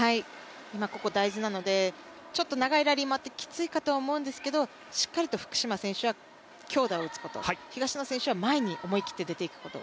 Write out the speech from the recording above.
ここ大事なので長いラリーもあってきついかと思うんですがしっかりと福島選手は強打を打つこと東野選手は前に思い切って出ていくこと。